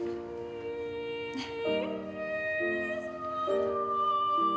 ねっ。